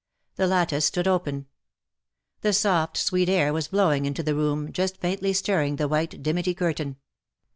The lattice stood open. The soft sweet air was blowing into the room, just faintly stirring the white dimity curtain.